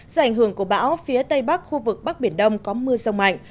do ảnh hưởng của bão phía tây bắc khu vực bắc biển đông có mưa rông mạnh